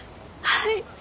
はい。